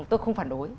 tôi không phản đối